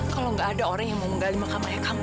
kalau gak ada orang yang mau menggali makam ayah kamu